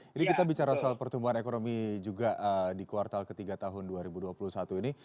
jadi kita bicara soal pertumbuhan ekonomi juga di kuartal ketiga tahun dua ribu dua puluh satu ini